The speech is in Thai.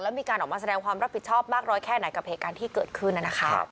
มีการออกมาแสดงความรับผิดชอบมากน้อยแค่ไหนกับเหตุการณ์ที่เกิดขึ้นนะคะ